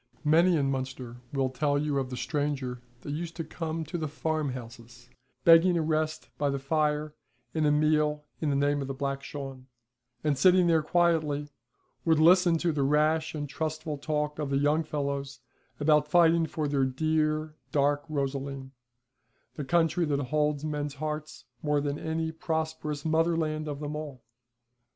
Many in Munster will tell you of the stranger that used to come to the farmhouses begging a rest by the fire and a meal in the name of Black Shawn, and sitting there quietly would listen to the rash and trustful talk of the young fellows about fighting for their dear Dark Rosaleen, the country that holds men's hearts more than any prosperous mother land of them all.